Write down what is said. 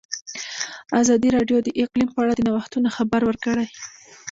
ازادي راډیو د اقلیم په اړه د نوښتونو خبر ورکړی.